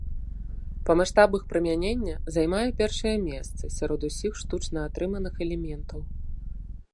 Па маштабах прымянення займае першае месца сярод усіх штучна атрыманых элементаў.